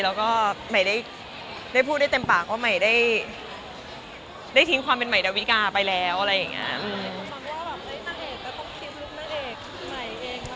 แล้วก็ใหม่ได้พูดได้เต็มปากว่าใหม่ได้ทิ้งความเป็นใหม่ดาวิกาไปแล้วอะไรอย่างนี้